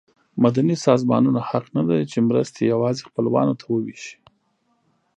مدني سازمانونه حق نه لري چې مرستې یوازې خپلوانو ته وویشي.